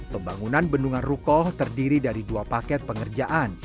pembangunan bendungan rukoh terdiri dari dua paket pengerjaan